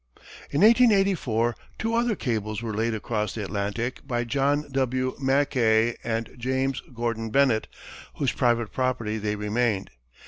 In 1884, two other cables were laid across the Atlantic by John W. Mackay and James Gordon Bennett, whose private property they remained.